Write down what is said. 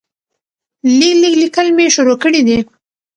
لږ لږ ليکل مې شروع کړي دي